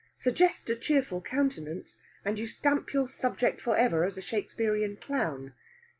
Suggest a cheerful countenance, and you stamp your subject for ever as a Shakespearian clown.